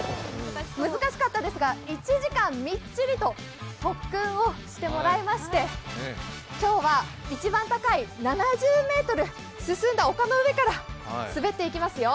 難しかったですが、１時間、みっちりと特訓をしてもらいまして、今日は一番高い７０ｍ進んだ丘の上から滑っていきますよ。